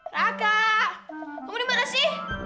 raka kamu dimana sih